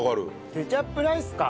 ケチャップライスか！